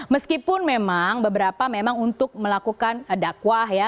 meskipun memang beberapa memang untuk melakukan dakwah ya